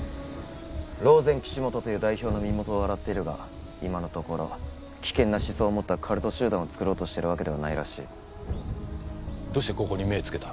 ローゼン岸本という代表の身元を洗っているが今のところ危険な思想を持ったカルト集団を作ろうとしているわけではないらしい。どうしてここに目をつけた？